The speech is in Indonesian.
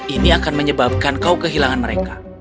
ini akan menyebabkan kau kehilangan mereka